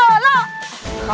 mabahu siang jangkut